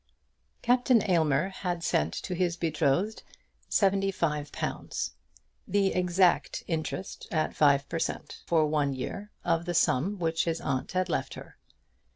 Captain Aylmer had sent to his betrothed seventy five pounds; the exact interest at five per cent. for one year of the sum which his aunt had left her.